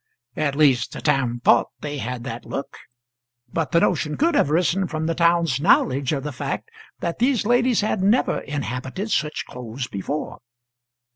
At least the town thought they had that look, but the notion could have arisen from the town's knowledge of the fact that these ladies had never inhabited such clothes before.